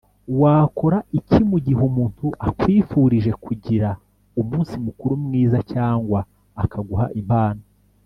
wakora iki mu gihe umuntu akwifurije kugira umunsi mukuru mwiza cyangwa akaguha impano